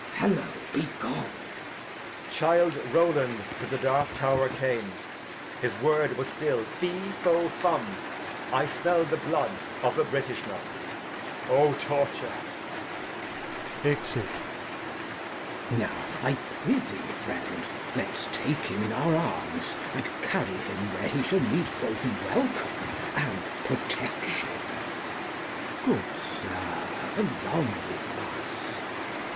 Fellow, be gone. Edg. Child Rowland to the dark Tow'r came. His Word, was still, Fi, Fo, and Fum, I smell the Blood of a British Man. Oh ! Torture ! [Exit. Glost. Now, I prethee Friend, let's take him in our Arms, and carry him where he shall meet both Welcome, and Protection. Good Sir, along with us.